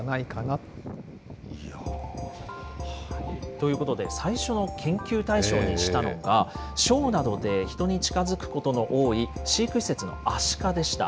ということで、最初の研究対象にしたのが、ショーなどで人に近づくことの多い、飼育施設のアシカでした。